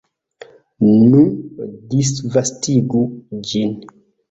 Nu, disvastigu ĝin!